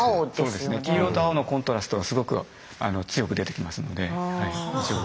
黄色と青のコントラストがすごくあの強く出てきますのではい。